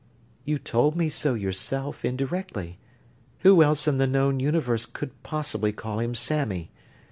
"You told me so yourself, indirectly. Who else in the known Universe could possibly call him 'Sammy'?